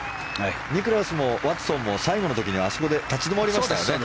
ニクラウスもワトソンも最後の時にあそこで立ち止まりましたからね。